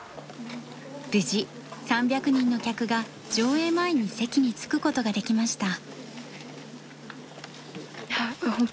無事３００人の客が上映前に席に着くことができました。